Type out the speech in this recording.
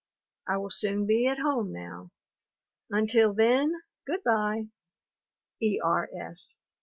I will soon be at home now. Until then good bye. E. R. S.